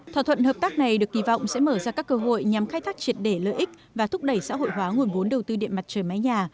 thỏa thuận hợp tác này được kỳ vọng sẽ mở ra các cơ hội nhằm khai thác triệt để lợi ích và thúc đẩy xã hội hóa nguồn vốn đầu tư điện mặt trời mái nhà